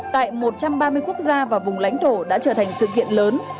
tại một trăm ba mươi quốc gia và vùng lãnh thổ đã trở thành sự kiện lớn